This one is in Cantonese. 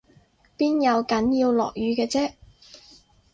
邊有梗要落雨嘅啫？